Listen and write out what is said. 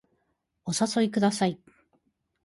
お誘いください